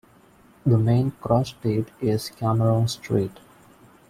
The main cross street is Cameron Street.